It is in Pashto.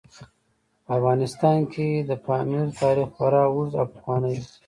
په افغانستان کې د پامیر تاریخ خورا اوږد او پخوانی دی.